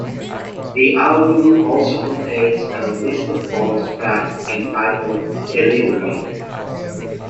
The album also contains an unlisted bonus track, entitled "Deliver Me".